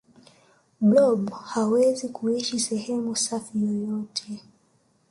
blob hawezi kuishi sehemu safi yoyote